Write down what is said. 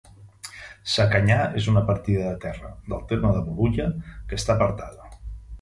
Sacanyar és una partida de terra del terme de Bolulla que està apartada.